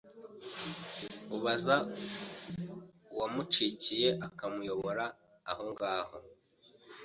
abaza uwamukicikye akamuyobora ahongaho